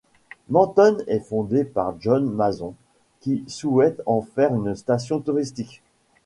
Mentone est fondée par John Mason, qui souhaite en faire une station touristique.